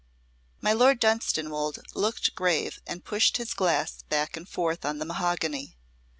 My Lord Dunstanwolde looked grave and pushed his glass back and forth on the mahogany.